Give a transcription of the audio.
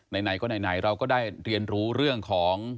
ไหนก็ไหนเราก็ได้เรียนรู้เรื่องของ